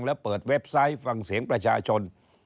แล้วเปิดเว็บไซต์ฟังเสียงประชาชน